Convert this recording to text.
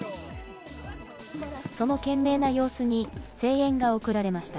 その懸命な様子に声援が送られました。